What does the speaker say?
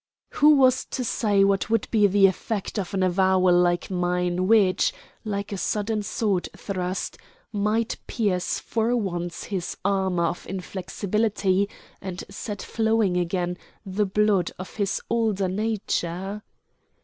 Who was to say what would be the effect of an avowal like mine which, like a sudden sword thrust, might pierce for once his armor of inflexibility and set flowing again the blood of his older nature?